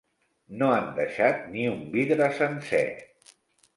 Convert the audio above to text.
No han deixat ni un vidre sencer.